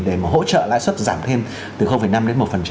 để hỗ trợ lãi xuất giảm thêm từ năm đến một